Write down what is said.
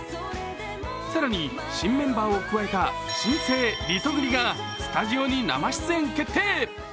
更に、新メンバーを加えた新生リトグリがスタジオに生出演決定。